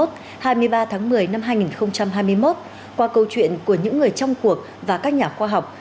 hai mươi ba tháng một mươi năm hai nghìn hai mươi một qua câu chuyện của những người trong cuộc và các nhà khoa học